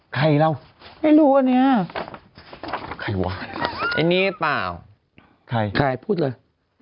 ใครเราไม่รู้อันเนี้ยใครวะไอ้นี่เปล่าใครใครพูดเลย